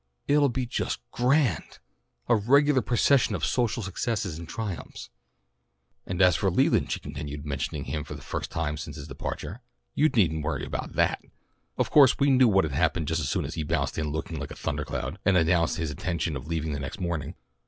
It'll be just grand! A regular procession of social successes and triumphs. "And as for Leland," she continued, mentioning him for the first time since his departure. "You needn't worry about that. Of course we knew what had happened just as soon as he bounced in looking like a thunder cloud, and announced his intention of leaving next morning.